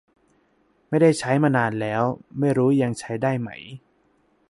ไม่ได้ใช้มานานแล้ว ไม่รู้ยังใช้ได้ไหม